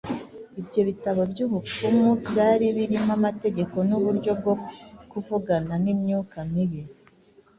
Ibyo bitabo by’ubupfumu byari birimo amategeko n’uburyo bwo kuvugana n’imyuka mibi.